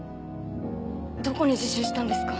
どこに自首したんですか？